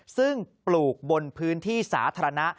ซึ่งปลูกบนพื้นที่สาธารณะ